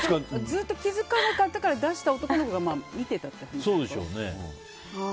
ずっと気づかなかったから出した男の子が見ていたってこと？